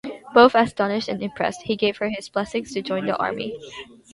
Both astonished and impressed, he gave her his blessings to join the army.